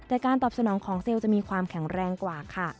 แต่การตอบสนองของเซลล์จะมีความแข็งแรงกว่าค่ะ